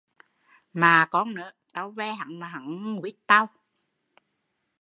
Đụ mạ con nớ, tau ve hắn mà hắn nguýt tau